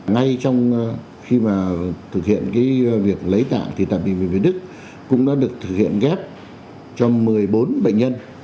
ngay trong khi mà thực hiện việc lấy tạng thì tại bệnh viện việt đức cũng đã được thực hiện ghép cho một mươi bốn bệnh nhân